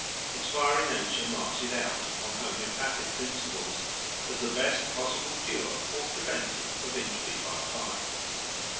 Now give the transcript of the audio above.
Its fiery nature marks it out, on homoeopathic principles, as the best possible cure or preventive of injury by fire.